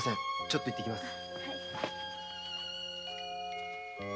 ちょっと行ってきます。